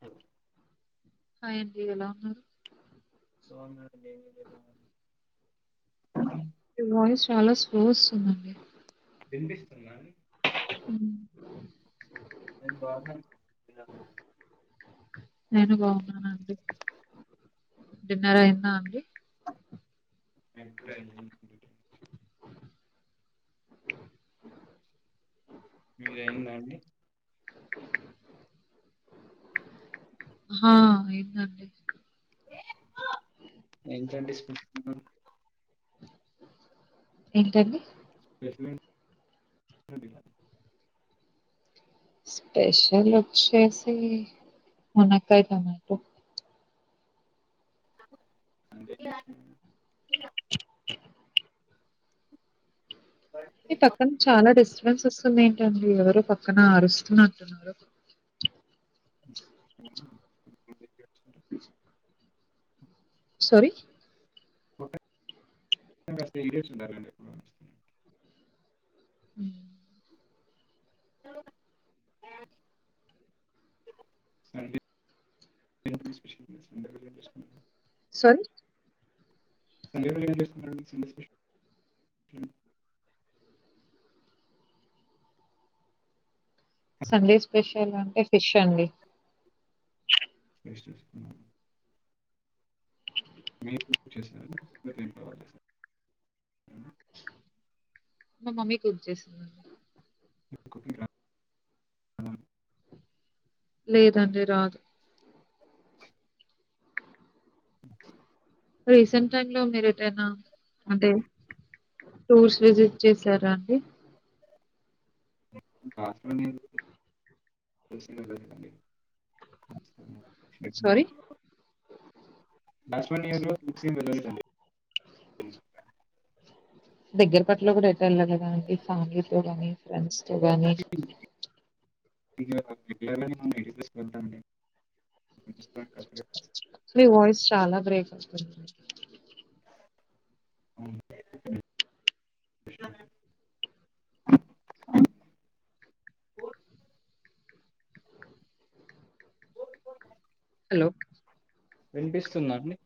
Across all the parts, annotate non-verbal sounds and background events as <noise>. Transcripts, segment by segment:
Hello అ ఏంటి ఎలా ఉన్నారు <inaudible> మీ వాయిస్ చాలా స్లో వస్తుందండి వినిపిస్తుందా అండి ఉ నేను బాగున్నాను మీరు నేను బాగున్నానండి. డిన్నర్ అయిందా అండి ఎప్పుడు ఎ <unintelligible> మీది అయిందా అండి ఓకే <inaudible> హ అయిదండి ఎకండి స్పృతి <unintelligible> ఏంటండి <unintelligible> స్పెషల్ ఓచ్చేసి మునకాయ టమాటో అంటే <inaudible> సౌండ్స్ వస్తుంది ఏంటండి ఎవరు పక్కన అరుస్తుంటున్నారు <inaudible> సరి <unintelligible> హ <inaudible> సరి సండే ఏంటి స్పెషల్ సండే స్పెషల్ అంటే ఫిష్ అండి రైస్ చేసుకున్నాను మీ మీ ఏం కావాలి మా మమ్మీ గుర్తుచేసింది మీకు కుకింగ్ రాదా లేదండి రాదు రీసెంట్ టైమ్ లో మీరు ఏటైనా అంటే టూర్స్ విజిట్ చేశారా అండి హాస్టల్లో నేను చేసిందే కదండి సారీ? <unintelligible> లాస్ట్ వన్ ఇయర్ లో దగ్గర పట్లో కూడా పిల్లలు కా ఫ్యామిలీ తో గాని ఫ్రెండ్స్ తో గాని ఇక వెళ్ళాలని ఉంది వెళ్తాను మీ వాయిస్ చాలా బ్రేక్ అ హలో వినిపిస్తుందా అండి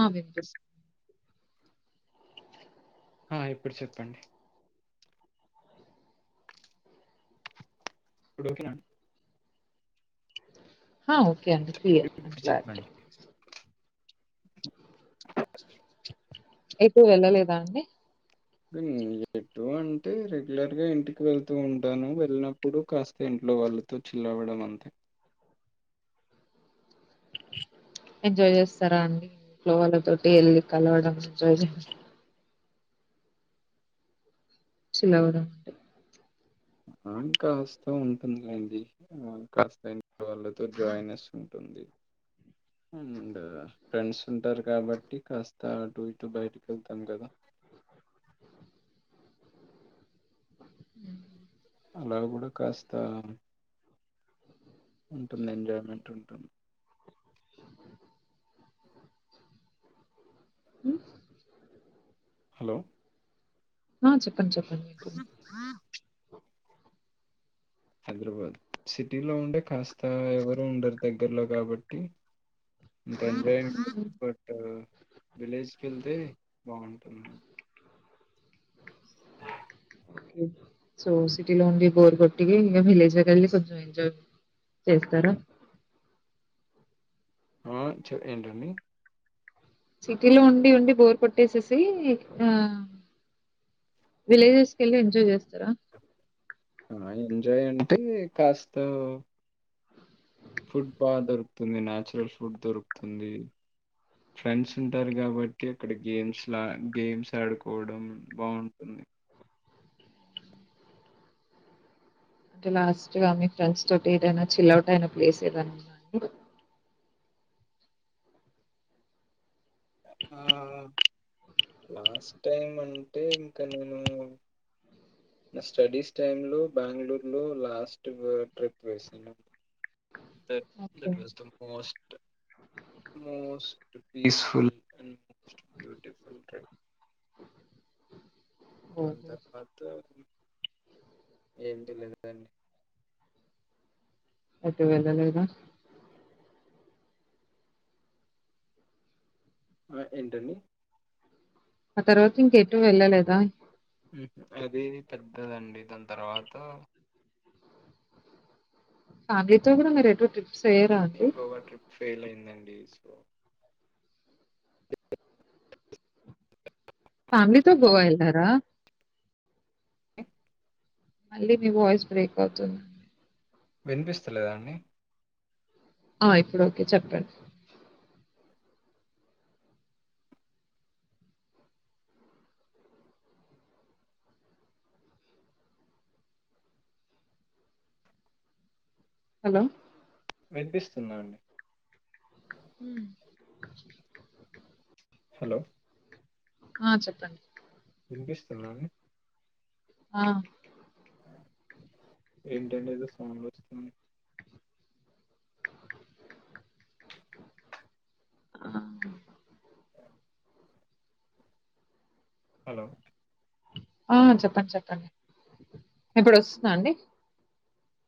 ఆ వినిపిస్తుంది ఆ ఇప్పుడు చెప్పండి ఇప్పుడు ఓకేనా హా ఒకే ఓకే అంత క్లియర్ ఇప్పుడు చెప్పండి ఎప్పుడు వెళ్ళలేదా అండి ఎటు అంటే రెగ్యులర్ గా ఇంటికి వెళ్తూ ఉంటాను వెళ్ళినప్పుడు కాస్త ఇంట్లో వాళ్లతో చిల్లవ్వడం అంతే ఎంజాయ్ చేస్తారా అండి ఇంట్లో వాళ్లతోటి వెళ్ళి కలవడం ఎంజాయ్ చిల్లవ్వడం ఆ కాస్త ఉంటుందిడి కాస్త ఇ వాళ్ళతో ఉంటుంది జాయినెస్ అండ్ ఫ్రెండ్స్ ఉంటారు కాబట్టి కాస్త అటు ఇటు బయటకి వెళ్తాం కదా అలా కూడా కాస్త ఉంటుంది ఎంజాయ్మెంట్ ఉంటుంది ఉ హలో ఆ చెప్ప కొంచెం పని వుంది హైదరాబాద్ సిటీలో ఉంటే కాస్త ఎవరు ఉండరు దగ్గర్లో కాబట్టి బంజేయండి ఉమ్, బట్ విలేజ్ కి వెళ్తే బాగుంటుంది సో సిటీ లోన్ వి బోర్ కొట్టి ఇంకా విలేజ్ వెళ్లి కొంచం ఎంజాయ్ చేస్తారా ఆ చెప్పు ఏంటండి సిటీలో ఉండి ఉండి బోర్ కొట్టేసేసి ఆ విలేజెస్ కి వెళ్ళి ఎంజాయ్ చేస్తారా ఆ ఎంజాయ్ అంటే కాస్త ఫుడ్ బాగా దొరుకుతుంది నాచురల్ ఫుడ్ దొరుకుతుంది ఫ్రెండ్స్ ఉంటారు. కాబట్టి అక్కడ గేమ్స్ లా గేమ్స్ ఆడుకోవడం బాగుంటుంది అంటే లాస్ట్ గా మీ ఫ్రెండ్స్ తోటి ఏదైనా చిల్ అవుట్ అయిన ప్లేస్ ఏదనా వుందా అండి ఆ లాస్ట్ టైం అంటే ఇంకా నేను నా స్టడీస్ టైం లో బెంగళూరులో లాస్ట్ ట్రిప్ వేసానుం that okay. That was the most most peaceful and most beautiful time అంత ఓహో! పాత ఏం తెలీదు అండి ఏటు వేళ్ళలేదా ఆ ఏంటండి ఆ తర్వాత ఇంకెటు వెళ్ళలేదా అది పెద్దదండి దాని తర్వాత ఫ్యామిలీతో కూడా మీరు ఎట్ ట్రిప్ చేయరా అండి గోవా ట్రిప్ ఫెయిల్ అయిందండి సో ఫ్యామిలీతో గోవా ఎల్లారా మళ్ళీ మీ వాయిస్ బ్రేక్ అవుతుం వినిపిస్తలేదా అండి ఆ ఇప్పుడు ఓకే చెప్పండి. హలో వినిపిస్తుందా అండి హ్మ్ హలో ఆ చెప్పండి వినిపిస్తుందా అండి ఆ ఏంటండి ఏదో సాంగ్ వస్తుంది. హా <inaudible> హలో ఆ చెప్పండి చెప్పండి ఇప్పుడు వస్తుందా అండి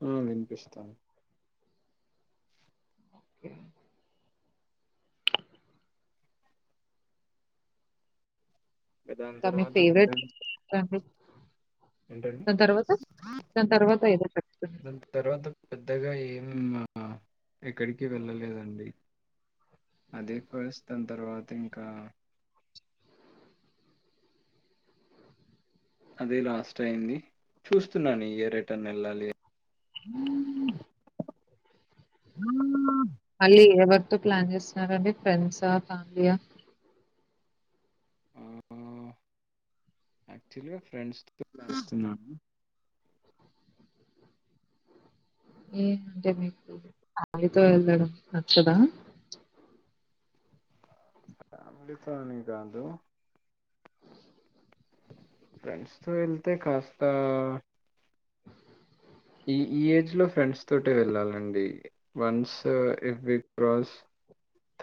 హూ వినిపిస్తాంది. ఓకే <unintelligible> దాని ఇంకా మీ తర్వాత ఫేవరెట్ పెద్ద- ఎంటి <unintelligible> ఏంటండి దాని తర్వాత దాని తర్వాత ఏదో చెప్ తుర్ దాని తర్వాత పెద్దగా ఏం మా హా ఎక్కడికి వెళ్ళలేదండి అదే ఫస్ట్ దాని తర్వాత ఇంకా అదే లాస్ట్ అయింది చూస్తున్నాను ఈ ఇయర్ ఎట్ అయినా వెళ్లాలని మళ్ళీ ఎవరితో ప్లాన్ చేస్తున్నారండి ఫ్రెండ్సా ఆ ఫ్యామిలీయా హా ఏం జర్నీ ఆళీతో వెళ్ళడం నచ్చదా ఫ్యామిలీ తో అని గాదు ఫ్రెండ్స్ తో వెళ్తే కాస్త ఇ ఈ ఏజ్ లో ఫ్రెండ్స్ తోటె వెళ్ళాలండి once it will <unintelligible> cross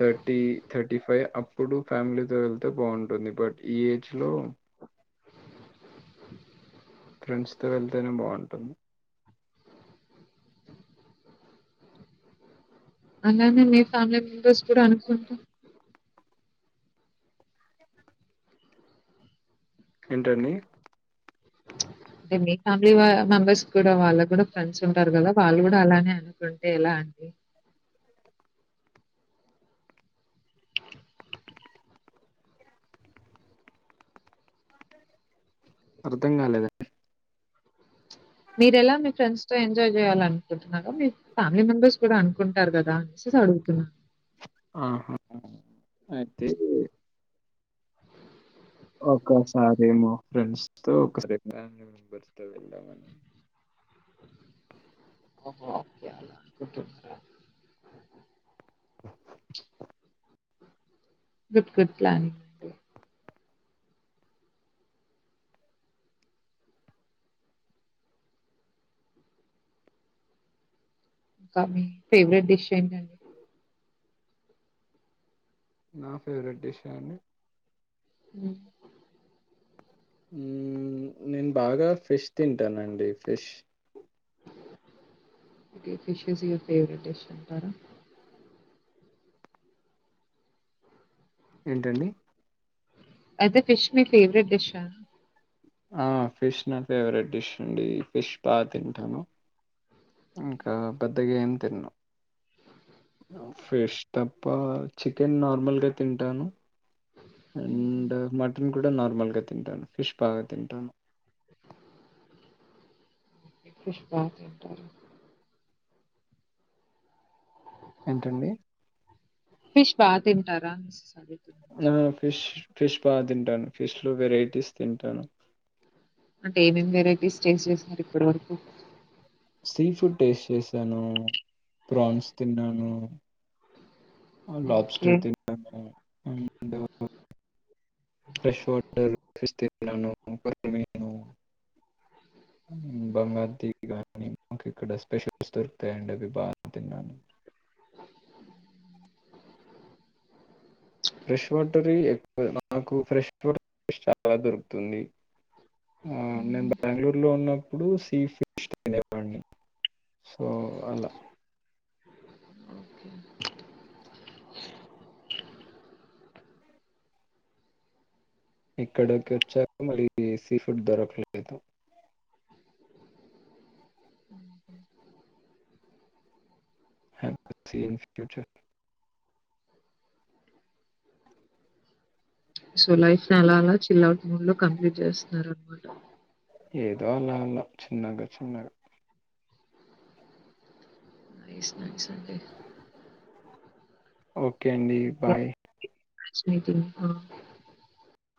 thirty thirty five అప్పుడు ఫ్యామిలీతో వెళ్తే బాగుంటుంది బట్ ఈ ఏజ్ లో ఫ్రెండ్స్ తో వెళ్తేనే బాగుంటుంది అలానే మీ ఫ్యామిలీ మెంబెర్స్ కూడా అనుకుంటారు ఏంటండి అంటే మీ ఫ్యామిలీ వాల్ మెంబర్స్ కూడా వాళ్ళ కూడా ఫ్రెండ్స్ ఉంటారు కదా వాళ్ళు కూడా అలానే అనుకుంటే ఎలా అండి అర్థం కాలేదండి మీరెలా మీ ఫ్రెండ్స్ తో ఎంజాయ్ చేయాల నుకుంటున్నారొ మీ ఫ్యామిలీ మెంబర్స్ కూడా అనుకుంటారు కదా సొసో అడుగుతున్నాన్ ఆహా అది ఒకసారెమో ఫ్రెండ్స్తో ఒకసారి ఫేమిలీ <unintelligible> మెంబర్స్తో వెళ్ళామని కుత్ <inaudible> గుడ్ గుడ్ ప్లానింగ్ ఇంకా మీ ఫేవరెట్ డిష్ ఏంటండి <inaudible> నా ఫేవరెట్ డిష్ ఆ అండి మ్మ్ మ్ నేను బాగా ఫిష్ తింటానండి fish fish is your favourite dish అంటారా ఏంటండి అయితే ఫిష్ మీ ఫేవరెట్ డిష్ ఆ ఆ ఫిష్ నా ఫేవరెట్ డిష్ అండి ఫిష్ బా తింటాను ఇంకా పెద్దగా ఏం తిన్ను, ఫిష్ తప్ప చికెన్ నార్మల్గా తింటాను అండ్ మట్ న్ కూడా నార్మల్గా తింటాను ఫిష్ బాగా తింటాను ఫిష్ బ తింటార ఏంటండి ఫిష్ బా తిన్ తింటారా సండే ఆ! ఫిష్ ఫిష్ బాగా తింటాను ఫిష్ లో వెరైటీస్ తింటాను అంటే ఏమేమి వెరైటీస్ టేస్ట్ చేసినారు ఇప్పడు వరకు మ్మ్ సీ ఫుడ్ టేస్ట్ చేసాను ప్రాన్స్ తిన్నాను ఆ ఓకే. లబ్స్టర్ తిన్నాను అండ్ ఫ్రెష్ కమ <unintelligible> మ్ బంగార్ తీగ కాని మాకు ఇక్కడ స్పెషల్స్ దొరుకుతాయండి అవి బాగా తిన్నాను <unintelligible> ఫ్రెష్ వాటరీ ఎక్వ నాకు ఫ్రెష్ వాటరీ చాలా దొరుకుతుంది ఆ నేను బెంగళూరు లో ఉన్న ఇప్పుడు సీఫుడ్ తినేవాడిని సో అలా ఓకే ఇక్కడకి వచ్చాక మరి సీ ఫుడ్ దొరకలేదు <unintelligible> ఆ సీ <unintelligible> ఫుడ్స్ సోలైఫ్ ని అలా అలా చిల్ అవు మూడు లో కంప్లీట్ చేస్తున్నారా మరి ఏదో ఆలా లా చిన్నగా చిన్నగా ఐస్ <unintelligible> ఓకే ఓకే అండి బాయ్ మటి <unintelligible>